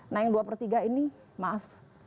nah yang dua per tiga ini maaf